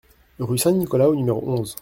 Rue Saint Nicolas au numéro onze